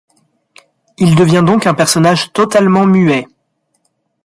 Il devient donc un personnage totalement muet.